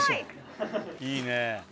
いいね。